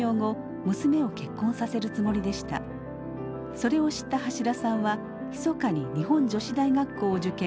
それを知った橋田さんはひそかに日本女子大学校を受験。